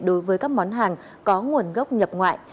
đối với các món hàng có nguồn gốc nhập ngoại